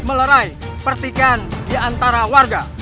melerai pertikaian di antara warga